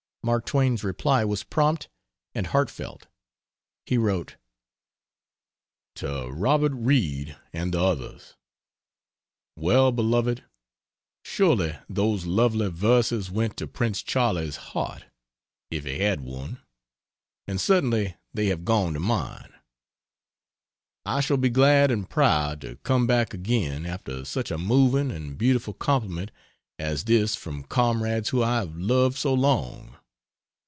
Mark Twain's reply was prompt and heartfelt. He wrote: To Robt. Reid and the Others: WELL BELOVED, Surely those lovely verses went to Prince Charley's heart, if he had one, and certainly they have gone to mine. I shall be glad and proud to come back again after such a moving and beautiful compliment as this from comrades whom I have loved so long.